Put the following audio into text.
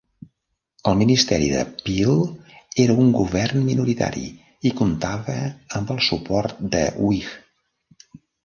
El ministeri de Peel era un govern minoritari i comptava amb el suport de Whig.